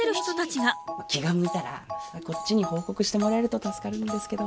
気が向いたらこっちに報告してもらえると助かるんですけど。